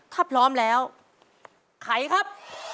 ถ้าพร้อมแล้วไขครับ